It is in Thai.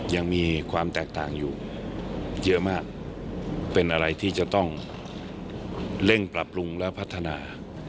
ยังมีความแตกต่างอยู่เยอะมากเป็นอะไรที่จะต้องเร่งปรับปรุงและพัฒนา